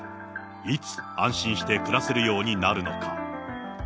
いつ安心して暮らせるようになるのか。